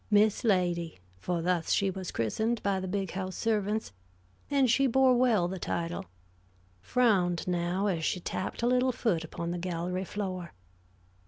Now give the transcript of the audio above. Miss Lady for thus she was christened by the Big House servants; and she bore well the title frowned now as she tapped a little foot upon the gallery floor.